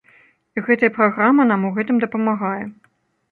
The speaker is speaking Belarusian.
І гэтая праграма нам у гэтым дапамагае.